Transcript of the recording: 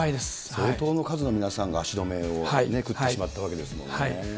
相当の数の皆さんが足止めを食ってしまったわけですもんね。